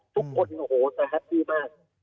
ทุกคนจะรักมาก